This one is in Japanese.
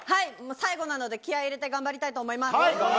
最後なので気合い入れて頑張りたいと思います。